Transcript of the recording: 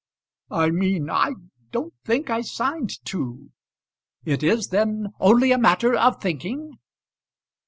"I mean, I don't think I signed two." "It is, then, only a matter of thinking?"